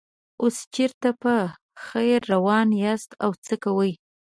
اوس چېرته په خیر روان یاست او څه کوئ.